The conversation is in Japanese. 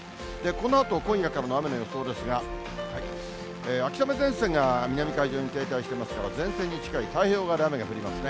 このあと、今夜からの雨の予想ですが、秋雨前線が南海上に停滞してますから、前線に近い太平洋側で雨が降りますね。